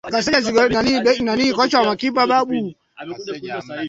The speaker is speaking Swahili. lake na hatawatambua kama wateule wake Amri kumi ni Kanuni za Mapatano au za